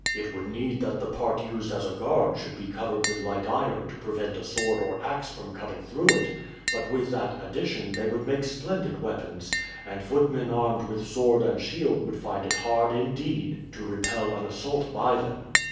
It would need that the part used as a guard should be covered with light iron to prevent a sword or ax from cutting through it; but with that addition they would make splendid weapons, and footmen armed with sword and shield would find it hard indeed to repel an assault by them."